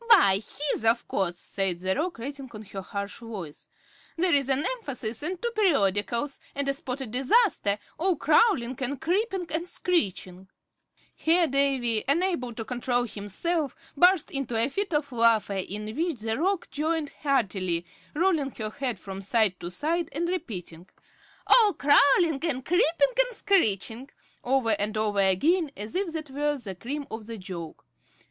"Why, his, of course," said the Roc, rattling on in her harsh voice. "There's an Emphasis and two Periodicals, and a Spotted Disaster, all crawlin' and creepin' and screechin'" Here Davy, unable to control himself, burst into a fit of laughter, in which the Roc joined heartily, rolling her head from side to side, and repeating, "All crawlin' and creepin' and screechin'," over and over again, as if that were the cream of the joke.